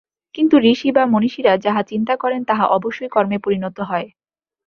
কিন্তু ঋষি বা মনীষীরা যাহা চিন্তা করেন, তাহা অবশ্যই কর্মে পরিণত হয়।